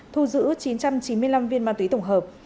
thu giữ chín trăm chín mươi năm viên ma túy tổng hợp